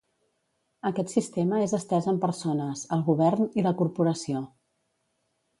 Aquest sistema és estès amb persones, el govern, i la corporació.